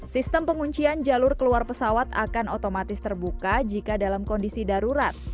sistem penguncian jalur keluar pesawat akan otomatis terbuka jika dalam kondisi darurat